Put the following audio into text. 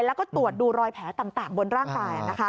แล้วก็ตรวจดูรอยแผลต่างบนร่างกาย